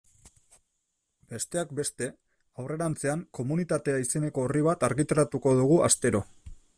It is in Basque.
Besteak beste, aurrerantzean Komunitatea izeneko orri bat argitaratuko dugu astero.